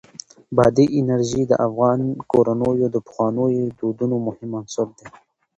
بادي انرژي د افغان کورنیو د پخوانیو دودونو مهم عنصر دی.